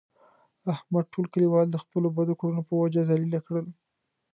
احمد ټول کلیوال د خپلو بدو کړنو په وجه ذلیله کړل.